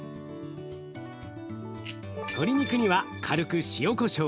鶏肉には軽く塩こしょう。